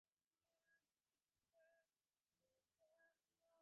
তিনি গোপনে বাংলা, উত্তর প্রদেশ ও পাঞ্জাবের বিপ্লবীদের সংস্পর্শে আসেন।